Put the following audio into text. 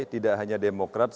tidak hanya demokrat